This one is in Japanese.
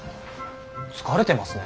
疲れてますね。